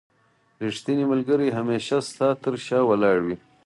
رښتينی ملګري هميشه ستا تر شا ولاړ وي.